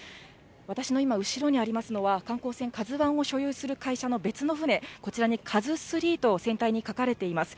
私の今、後ろにありますのは、観光船カズワンを所有する会社の別の船、こちらにカズスリーと船体に書かれています。